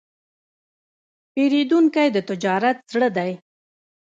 پیرودونکی د تجارت زړه دی.